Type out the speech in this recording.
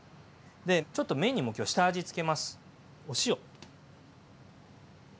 ちょっと麺にも今日下味つけます。